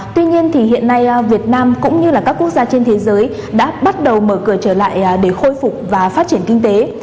tuy nhiên hiện nay việt nam cũng như là các quốc gia trên thế giới đã bắt đầu mở cửa trở lại để khôi phục và phát triển kinh tế